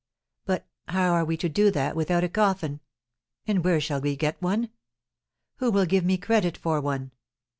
But how are we to do that without a coffin, and where shall we get one? Who will give me credit for one?